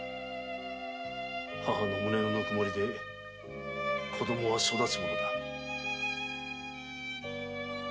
母の胸のぬくもりで子供は育つものだ。